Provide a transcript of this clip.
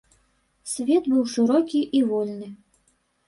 Свет быў шырокі і вольны.